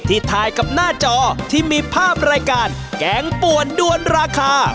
ถ่ายกับหน้าจอที่มีภาพรายการแกงป่วนด้วนราคา